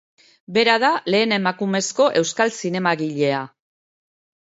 Bera da lehen emakumezko euskal zinemagilea.